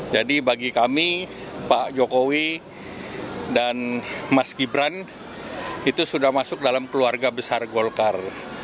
jadi bagi kami pak jokowi dan mas gibran itu sudah masuk dalam keluarga besar golkar